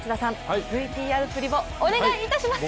ＶＴＲ振りをお願いします！